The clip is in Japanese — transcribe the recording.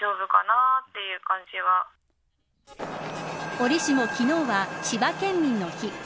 折しも昨日は、千葉県民の日。